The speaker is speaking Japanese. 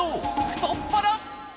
太っ腹！